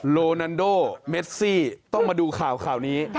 โลนันโดเมซี่ต้องมาดูข่าวข่าวนี้